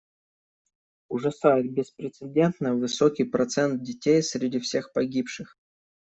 Ужасает беспрецедентно высокий процент детей среди всех погибших.